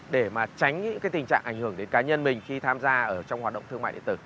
để mà tránh những tình trạng ảnh hưởng đến cá nhân mình khi tham gia trong hoạt động thương mại điện tử